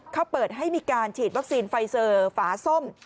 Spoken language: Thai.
เขาเปิดให้มีการฉีดวัคซีนไฟเซอร์ฝาส้ม